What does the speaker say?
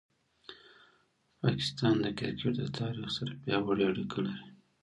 پاکستان د کرکټ له تاریخ سره پیاوړې اړیکه لري.